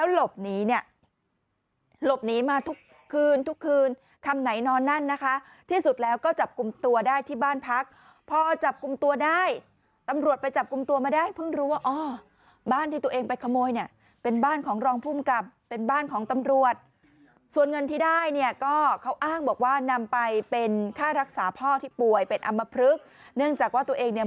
หลบหนีเนี่ยหลบหนีมาทุกคืนทุกคืนคำไหนนอนนั่นนะคะที่สุดแล้วก็จับกลุ่มตัวได้ที่บ้านพักพอจับกลุ่มตัวได้ตำรวจไปจับกลุ่มตัวมาได้เพิ่งรู้ว่าอ๋อบ้านที่ตัวเองไปขโมยเนี่ยเป็นบ้านของรองภูมิกับเป็นบ้านของตำรวจส่วนเงินที่ได้เนี่ยก็เขาอ้างบอกว่านำไปเป็นค่ารักษาพ่อที่ป่วยเป็นอำมพลึกเนื่องจากว่าตัวเองเนี่ย